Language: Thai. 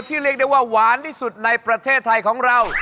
เรียกได้ว่าหวานที่สุดในประเทศไทยของเรา